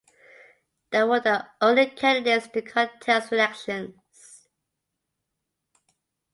They were the only candidates to contest the elections.